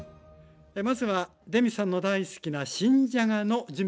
まずはレミさんの大好きな新じゃがの準備からお願いします。